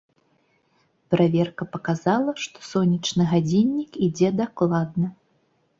Праверка паказала, што сонечны гадзіннік ідзе дакладна.